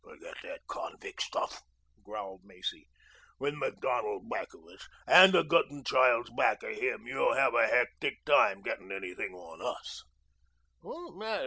"Forget that convict stuff," growled Macy. "With Macdonald back of us and the Guttenchilds back of him, you'll have a hectic time getting anything on us."